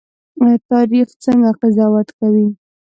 تاریخ څنګه قضاوت کوي؟